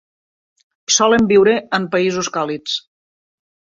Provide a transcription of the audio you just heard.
Solen viure en països càlids.